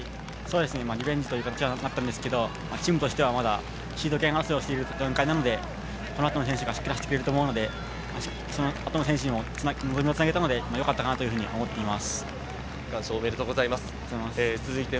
リベンジという形にはなったんですけど、チームとしてはシード権争いをしている段階なので、この後の選手がしっかり走ってくれる思うので、この後の選手につなげたのでよかったかなと思います。